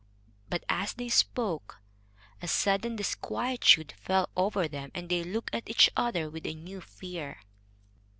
But, as they spoke, a sudden disquietude fell over them, and they looked at each other with a new fear.